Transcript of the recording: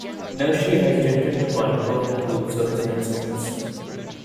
Nershi has written the bulk of the group's original songs.